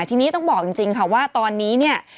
ทีนี้ต้องบอกจริงว่าตอนนี้